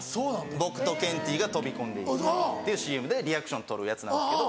僕とケンティーが飛び込んで行くっていうＣＭでリアクション撮るやつなんですけど。